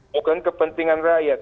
bukan kepentingan rakyat